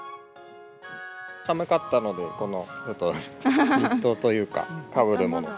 寒かったので、このニットというか、かぶるもの。